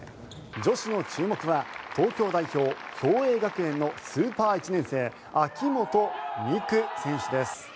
女子の注目は東京代表、共栄学園のスーパー１年生秋本美空選手です。